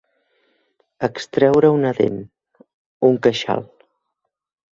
Extreure una dent, un queixal.